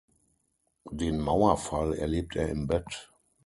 Den Mauerfall erlebt er im Bett.